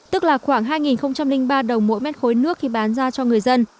tức là khoảng hai ba đồng mỗi mét khối nước khi bán ra cho người dân